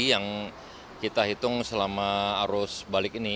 yang kita hitung selama arus balik ini